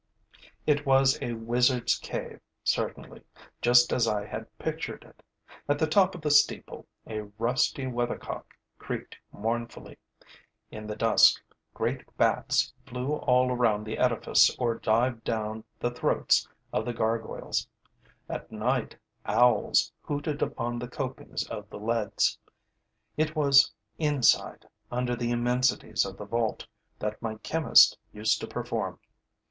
It was a wizard's cave certainly, just as I had pictured it. At the top of the steeple, a rusty weathercock creaked mournfully; in the dusk, great Bats flew all around the edifice or dived down the throats of the gargoyles; at night, Owls hooted upon the copings of the leads. It was inside, under the immensities of the vault, that my chemist used to perform.